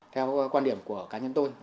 theo quan điểm của cá nhân tôi